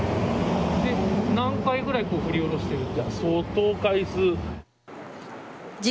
何回ぐらい振り落としていた？